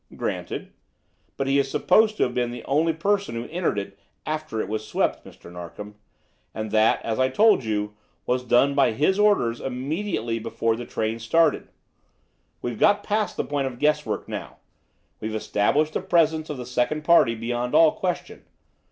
"Granted. But he is supposed to have been the only person who entered it after it was swept, Mr. Narkom; and that, as I told you, was done by his orders immediately before the train started. We've got past the point of 'guesswork' now. We've established the presence of the second party beyond all question.